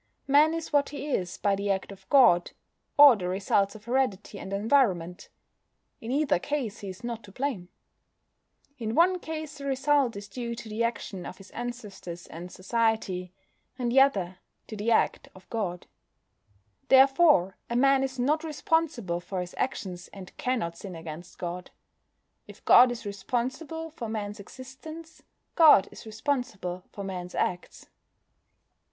Man is what he is by the act of God, or the results of heredity and environment. In either case he is not to blame. In one case the result is due to the action of his ancestors and society, in the other to the act of God. Therefore a man is not responsible for his actions, and cannot sin against God. _If God is responsible for Man's existence, God is responsible for Man's acts.